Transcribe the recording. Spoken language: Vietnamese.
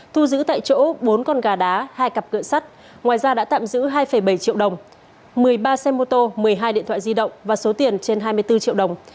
thu giữ tại chỗ bốn con gà đá hai cặp cửa sắt ngoài ra đã tạm giữ hai bảy triệu đồng một mươi ba xe mô tô một mươi hai điện thoại di động và số tiền trên hai mươi bốn triệu đồng